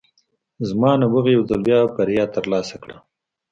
زما نبوغ یو ځل بیا بریا ترلاسه کړه